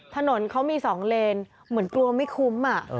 ถนนเขามี๒เลนเหมือนกลัวไม่คุ้ม